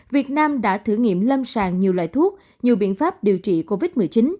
việt nam đã thử nghiệm lâm sàng nhiều loại thuốc nhiều biện pháp điều trị covid một mươi chín